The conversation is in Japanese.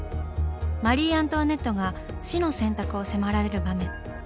マリー・アントワネットが死の選択を迫られる場面。